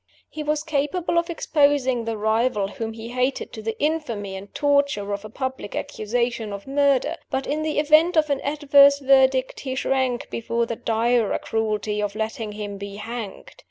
He was capable of exposing the rival whom he hated to the infamy and torture of a public accusation of murder; but, in the event of an adverse verdict, he shrank before the direr cruelty of letting him be hanged.